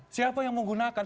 siapa yang menggunakan